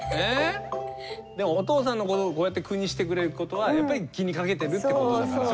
でもお父さんのことをこうやって句にしてくれることはやっぱり気にかけてるってことだから。